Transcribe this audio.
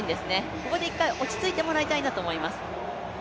ここで一回落ち着いてもらいたいなと思います。